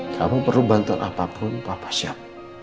kamu perlu bantuan apapun papa siap